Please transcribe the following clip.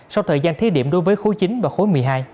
sau thời gian thí điểm đối với khối chín và khối một mươi hai